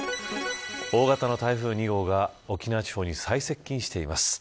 大型の台風２号が沖縄地方に最接近しています。